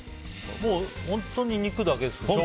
本当に肉だけです。